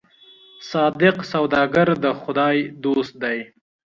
صادق سوداګر د خدای دوست دی.